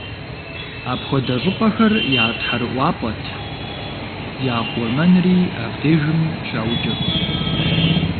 Апхуэдэ щӀыпӀэхэр я тхьэрыӀуапӀэт, я къурмэнри абдежым щаукӀырт.